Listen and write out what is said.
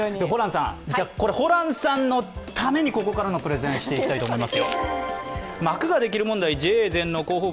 ホランさんのためにここからのプレゼンをしていきたいと思います。